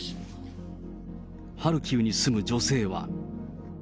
ハルキウに住む女性は。